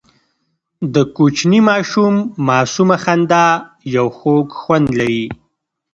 د کوچني ماشوم معصومه خندا یو خوږ خوند لري.